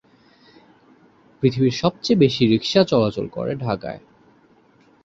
পৃথিবীর সবচেয়ে বেশি রিকশা চলাচল করে ঢাকায়।